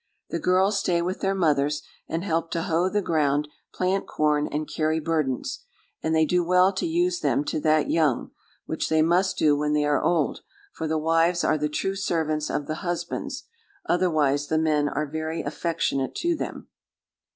The girls stay with their mothers, and help to hoe the ground, plant corn, and carry burdens: and they do well to use them to that young, which they must do when they are old; for the wives are the true servants of the husbands, otherwise the men are very affectionate to them.